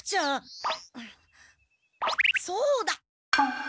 そうだ！